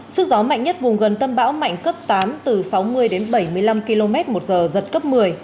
sức gió mạnh nhất vùng gần tâm bão mạnh cấp tám từ sáu mươi đến bảy mươi năm km một giờ giật cấp một mươi